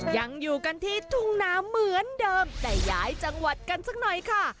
ยังอยู่กันที่ทุ่งนาเหมือนเดิมแต่ย้ายจังหวัดกันสักหน่อยค่ะ